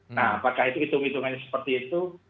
nah apakah itu hitung hitungannya seperti itu